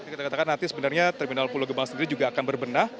kita katakan nanti sebenarnya terminal pulau gebang sendiri juga akan berbenah